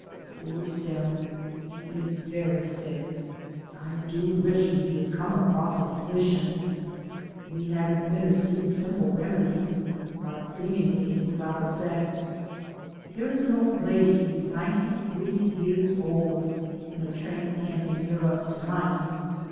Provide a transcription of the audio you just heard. Poor Sim, he is very sick. I do wish we could come across a physician. We have administered simple remedies, but seemingly without effect. There is an old lady ninety three years old in a train camping near us to night.